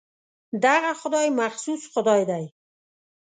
دغه خدای مخصوص خدای دی.